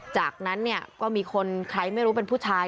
จากนั้นเนี่ยก็มีคนใครไม่รู้เป็นผู้ชาย